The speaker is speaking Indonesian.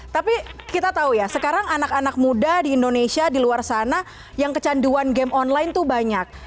tapi kita tahu ya sekarang anak anak muda di indonesia di luar sana yang kecanduan game online itu banyak